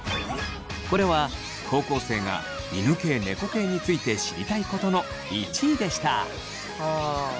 これは高校生が犬系・猫系について知りたいことの１位でした。